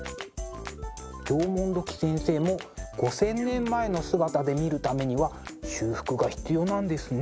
縄文土器先生も５，０００年前の姿で見るためには修復が必要なんですね。